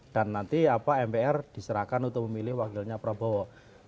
nanti mpr diserahkan untuk memilih wakilnya prabowo